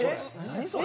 それ。